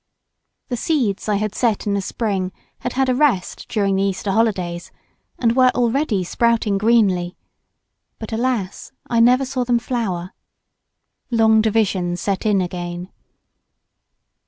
The seeds I had set in the spring had had a rest during the Easter holidays, and were already sprouting greenly, but alas, I never saw them flower. Long division set in again.